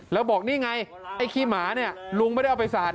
แล้วบอกนี่ไงไอ้ขี้หมาเนี่ยลุงไม่ได้เอาไปสาด